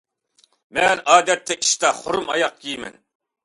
مەن ئادەتتە ئىشتا خۇرۇم ئاياق كىيىمەن.